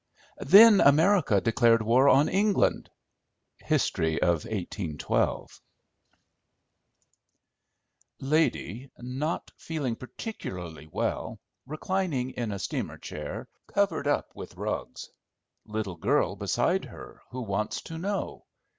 "Then America declared war on England."—History of 1812 Lady, not feeling particularly well, reclining in a steamer chair, covered up with rags. Little girl beside her, who wants to know.